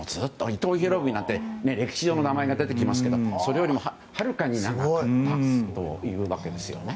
伊藤博文なんて歴史上の名前が出てきますけれどもそれよりも、はるかに長いというわけなんですね。